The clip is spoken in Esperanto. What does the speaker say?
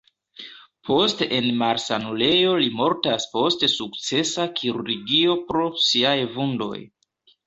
Post en malsanulejo li mortas post sukcesa kirurgio pro siaj vundoj.